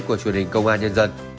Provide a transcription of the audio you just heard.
của truyền hình công an nhân dân